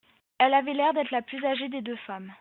Elle avait l’air d’être la plus âgée des deux femmes